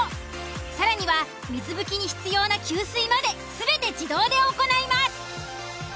更には水拭きに必要な給水まで全て自動で行います。